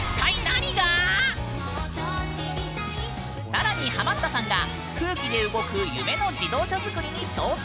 更にハマったさんが空気で動く夢の自動車作りに挑戦！